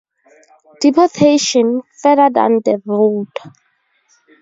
Deportation - further down the road.